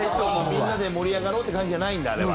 みんなで盛り上がろうって感じじゃないんだあれは。